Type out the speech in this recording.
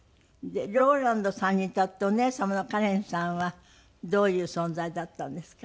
ローランドさんにとってお姉様のかれんさんはどういう存在だったんですか？